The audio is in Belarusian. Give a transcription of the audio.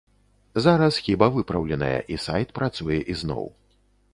Зараз хіба выпраўленая, і сайт працуе ізноў.